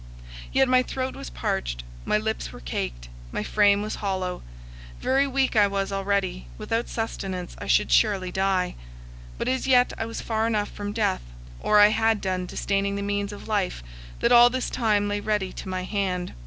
Yet my throat was parched; my lips were caked; my frame was hollow. Very weak I was already; without sustenance I should surely die. But as yet I was far enough from death, or I had done disdaining the means of life that all this time lay ready to my hand.